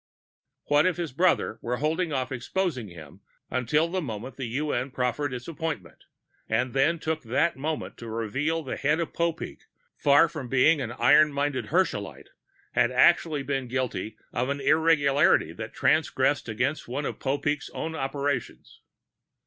What if his brother were to hold off exposing him until the moment the UN proffered its appointment ... and then took that moment to reveal that the head of Popeek, far from being an iron minded Herschelite, had actually been guilty of an irregularity that transgressed against one of Popeek's own operations?